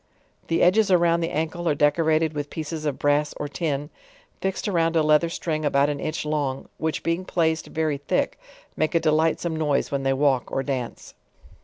The edges around the an kle are decorated with pieces of bra^s or tin, fixed around a leather string about an inch long, which being placed very thick, make a delightsome noise when they walk or dance.